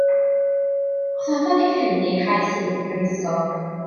Gwrthododd ei rhieni ei chais i fynd i'r brifysgol.